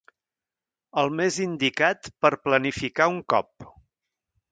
El més indicat per planificar un cop.